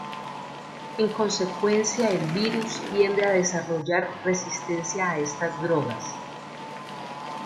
En consecuencia el virus tiende a desarrollar resistencia a estas drogas.